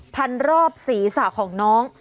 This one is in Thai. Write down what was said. พันรอบศีรษะของน้อง